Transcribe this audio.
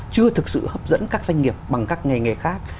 chưa thực sự hấp dẫn các doanh nghiệp bằng các nghề nghề khác